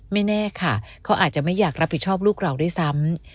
แน่ค่ะเขาอาจจะไม่อยากรับผิดชอบลูกเราด้วยซ้ำ